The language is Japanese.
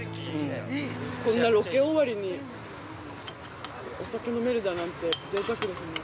◆こんなロケ終わりに、お酒飲めるだなんて、ぜいたくですね。